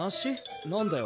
何だよ？